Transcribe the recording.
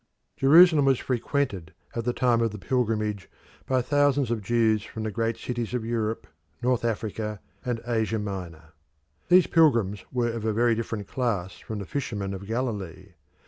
Jerusalem was frequented at the time of the pilgrimage by thousands of Jews from the great cities of Europe, North Africa, and Asia Minor. These pilgrims were of a very different class from the fishermen of Galilee.